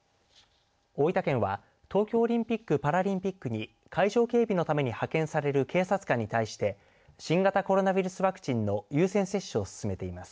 大分県は東京オリンピック・パラリンピックに会場警備のために派遣される警察官に対して新型コロナウイルスワクチンの優先接種を進めています。